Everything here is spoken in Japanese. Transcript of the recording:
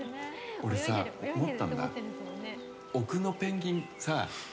俺さ、思ったんだ。